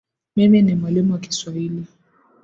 Mimi ni mwalimu wa kiswahili